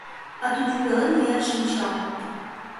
А тудын пелен мыят шинчам.